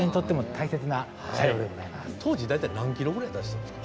当時大体何キロぐらい出してたんですか？